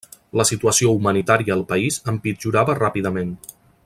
La situació humanitària al país empitjorava ràpidament.